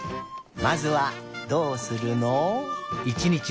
まずはどうするの？